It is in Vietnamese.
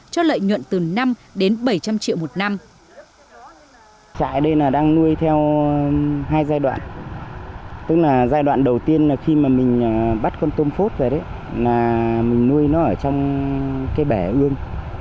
cho lợi nhuận từ năm đến bảy trăm linh triệu một năm